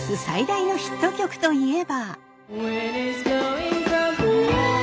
最大のヒット曲といえば。